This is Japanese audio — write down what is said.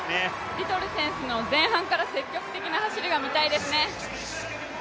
リトル選手の前半から積極的な走りが見たいですね。